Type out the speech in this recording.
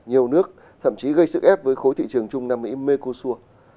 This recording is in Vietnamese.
nhiều nước thậm chí gây sức ép với khối thị trường trung nam mỹ mekosur